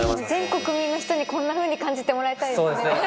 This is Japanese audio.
全国民の人にこんなふうに感じてもらいたいよね。